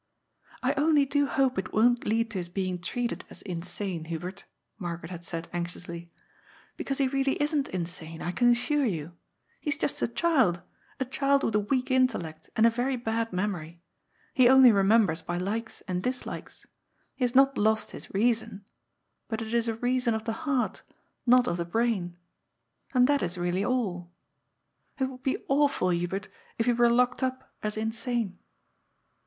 " I only do hope it won't lead to his being treated as insane, Hubert," Margaret had said anxiously, ^' because 388 GOD'S POOL. he really isn't insane, I can assure yon. He is jost a child, a child with a weak intellect and a very bad memory. He only remembers by likes and dislikes. He has not lost his reason. But it is a reason of the heart, not of the brain. And that is really all. It would be awful, Hubert, if he were locked up as insane."